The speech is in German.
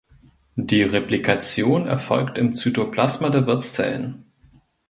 Die Replikation erfolgt im Zytoplasma der Wirtszellen.